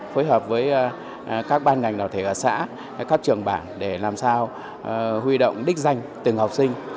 phối hợp với các ban ngành đạo thể ở xã các trường bảng để làm sao huy động đích danh từng học sinh